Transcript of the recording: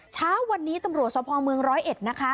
เช้าวันนี้ตำรวจสภเมืองร้อยเอ็ดนะคะ